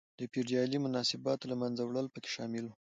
د فیوډالي مناسباتو له منځه وړل پکې شامل و.